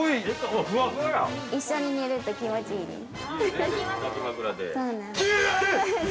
◆一緒に寝ると気持ちいいです。